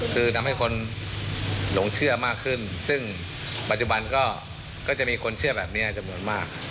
คือทำให้คนหลงเชื่อมากขึ้นซึ่งปัจจุบันก็จะมีคนเชื่อแบบนี้จำนวนมาก